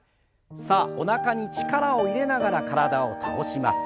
さあおなかに力を入れながら体を倒します。